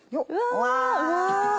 うわ！